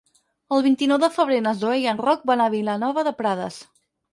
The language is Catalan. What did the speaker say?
El vint-i-nou de febrer na Zoè i en Roc van a Vilanova de Prades.